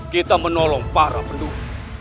kita menolong para penduduk